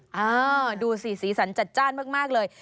เออดูสิสีสันจัดจ้านมากเลย